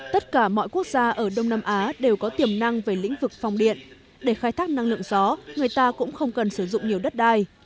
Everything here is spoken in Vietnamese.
tất cả mọi quốc gia ở đông nam á đều có tiềm năng về lĩnh vực phòng điện để khai thác năng lượng gió người ta cũng không cần sử dụng nhiều đất đai